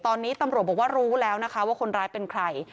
ตอนนี้ตำรวจบอกว่ารู้แล้วนะคะว่าคนร้ายเป็นใคร